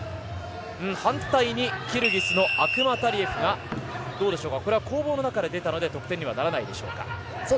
反対にキルギスのアクマタリエフがどうでしょうかこれは攻防の中で出たので得点にはならないでしょうか。